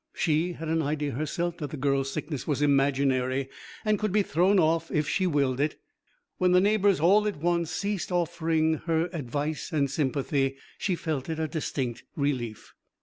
She had an idea herself that the girl's sickness was imaginary and could be thrown off if she willed it. When the neighbours all at once ceased offering her advice and sympathy she felt it a distinct relief.